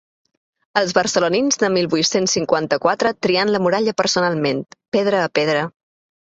Els barcelonins de mil vuit-cents cinquanta-quatre triant la muralla personalment, pedra a pedra.